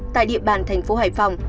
tại địa bàn thành phố hải phòng